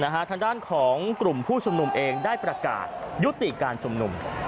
ทางด้านของกลุ่มผู้ชุมนุมเองได้ประกาศยุติการชุมนุม